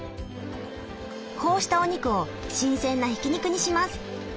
こうしたお肉を新鮮なひき肉にします。